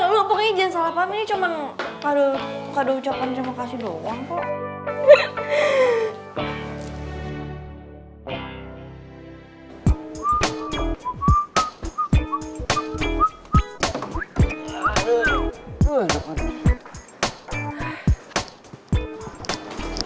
lo pokoknya jangan salah paham ini cuma kado kado ucapan terima kasih doang kok